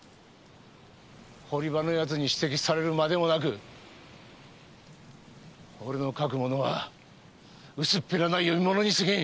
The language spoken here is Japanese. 堀場の奴に指摘されるまでもなく俺の書くものは薄っぺらな読み物に過ぎん。